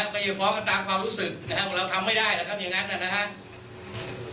ก็ยังฟ้องกันตามความรู้สึกนะครับเราทำไม่ได้นะครับอย่างนั้นนะครับ